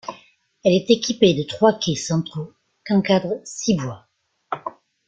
Elle est équipée de trois quais centraux qu'encadrent six voies.